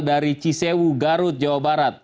dari cisewu garut jawa barat